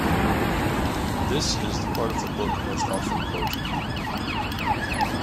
This is the part of the book most often quoted.